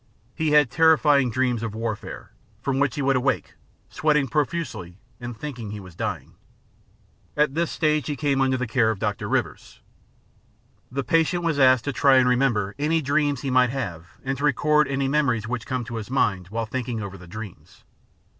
Hef had terrifying dreams of warfare, from which he would awake, sweating profusely, and thinking he was dying. At this stage he came under the care of Dr. Rivers. The patient was asked to try and remember any dreams he might have and to record any memories which came into his mind while thinking over the dreams.